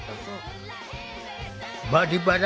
「バリバラ」